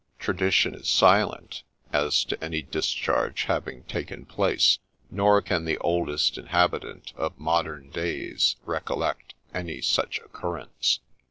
Tradition is silent as to any discharge having taken place, nor can the oldest in habitant of modern days recollect any such occurrence 1.